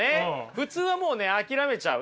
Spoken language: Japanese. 普通はもうね諦めちゃう。